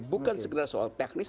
bukan sekedar soal teknis